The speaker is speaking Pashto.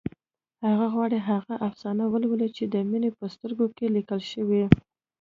هغه غواړي هغه افسانه ولولي چې د مينې په سترګو کې لیکل شوې